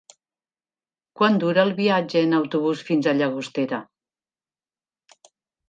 Quant dura el viatge en autobús fins a Llagostera?